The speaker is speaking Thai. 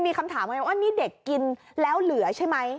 มีคำถามไงว่านี่เด็กกินแล้วเหลือใช่ไหม